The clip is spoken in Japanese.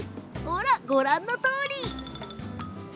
ほら、ご覧のとおり。